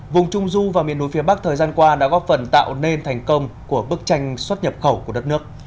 vùng trung du và miền núi phía bắc thời gian qua đã góp phần tạo nên thành công của bức tranh xuất nhập khẩu của đất nước